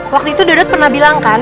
waktu itu dadot pernah bilang kan